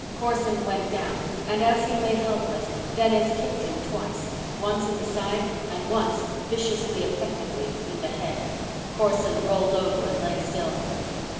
Corson went down and, as he lay helpless, Dennis kicked him twice once in the side and once, viciously effectively, in the head. Corson rolled over and lay still.